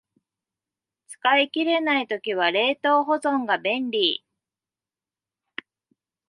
使い切れない時は冷凍保存が便利